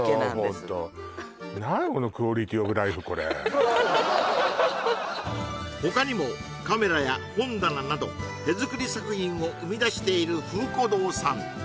何なのホント他にもカメラや本棚など手作り作品を生み出している風古堂さん